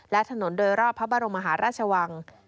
และถนนโดยรอบพระบรมมหาราชวัง